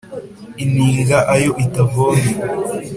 ininga ayo itavomye